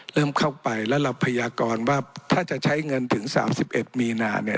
เริ่มเข้าไปแล้วเราพยากรว่าถ้าจะใช้เงินถึง๓๑มีนาเนี่ย